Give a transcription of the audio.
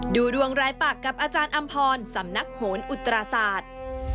ดูดวงรายปากกับอาจารย์อำพรสำนักโหนอุตราศาสตร์